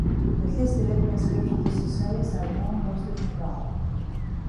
At least eleven inscriptions to Sucellus are known, mostly from Gaul.